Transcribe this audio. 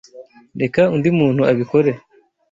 Reka undi muntu abikore.